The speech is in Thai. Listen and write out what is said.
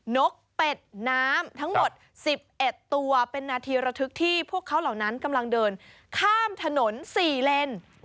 นกเป็ดน้ำทั้งหมด๑๑ตัวเป็นนาทีระทึกที่พวกเขาเหล่านั้นกำลังเดินข้ามถนน๔เลน